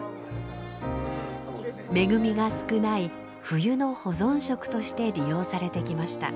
恵みが少ない冬の保存食として利用されてきました。